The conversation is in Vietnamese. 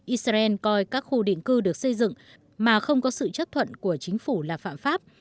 israel coi các khu định cư được xây dựng mà không có sự chấp thuận của chính phủ là phạm pháp